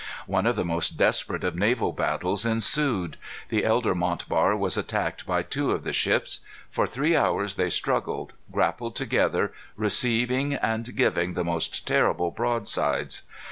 One of the most desperate of naval battles ensued. The elder Montbar was attacked by two of the ships. For three hours they struggled, grappled together, receiving and giving the most terrible broadsides.